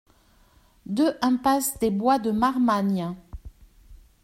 deux impasse des Bois de Marmagne